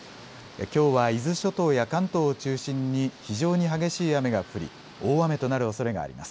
きょうは伊豆諸島や関東を中心に非常に激しい雨が降り大雨となるおそれがあります。